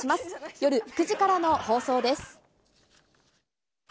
夜９時からの放送です。